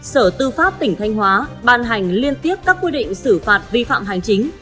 sở tư pháp tỉnh thanh hóa ban hành liên tiếp các quy định xử phạt vi phạm hành chính